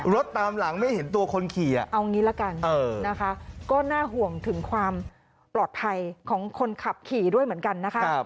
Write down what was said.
ตามหลังไม่เห็นตัวคนขี่เอางี้ละกันนะคะก็น่าห่วงถึงความปลอดภัยของคนขับขี่ด้วยเหมือนกันนะคะ